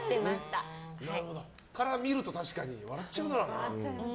から見ると笑っちゃうだろうな。